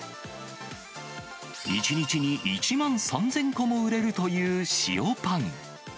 １日に１万３０００個も売れるという塩パン。